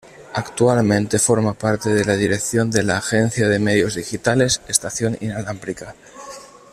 Actualmente forma parte de la dirección de la agencia de medios digitales Estación Inalámbrica.